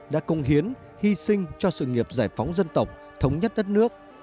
đã công hiến hy sinh cho sự nghiệp giải phóng dân tộc thống nhất đất nước